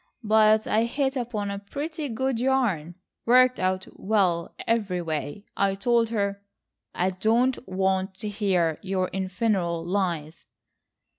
But I hit upon a pretty good yarn,—worked out well everyway. I told her—" "I don't want to hear your infernal lies."